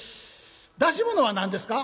出し物は何ですか？」。